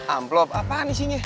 amplop apaan disini